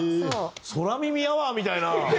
空耳アワーみたいなねえ。